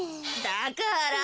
だから。